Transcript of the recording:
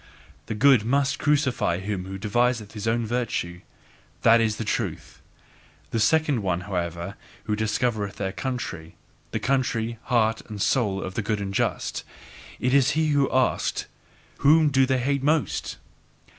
The good MUST crucify him who deviseth his own virtue! That IS the truth! The second one, however, who discovered their country the country, heart and soil of the good and just, it was he who asked: "Whom do they hate most?"